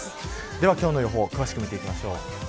では今日の予報を詳しく見ていきましょう。